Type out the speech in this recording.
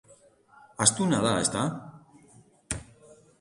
Astuna da, ezta?